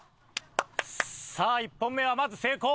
さあ１本目はまず成功！